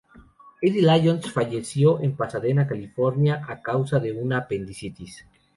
Eddie Lyons falleció en Pasadena, California, a causa de una apendicitis.